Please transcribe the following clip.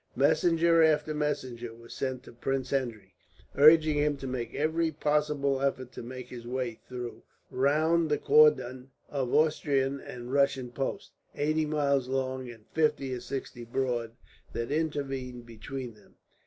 Messenger after messenger was sent to Prince Henry, urging him to make every possible effort to make his way through or round the cordon of Austrian and Russian posts, eighty miles long and fifty or sixty broad, that intervened between them.